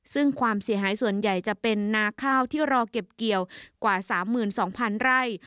ซึ่งความเสียหายส่วนใหญ่จะเป็นนาข้าวที่รอเก็บเกี่ยวกว่า๓๒๐๐๐ไร่